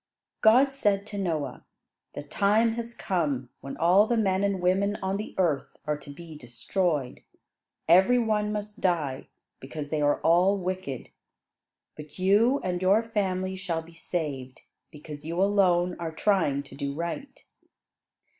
God said to Noah, "The time has come when all the men and women on the earth are to be destroyed. Every one must die, because they are all wicked. But you and your family shall be saved, because you alone are trying to do right."